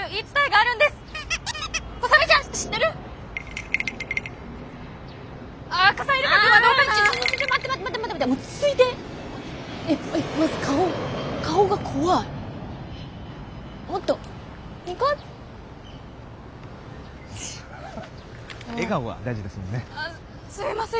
ああすいません。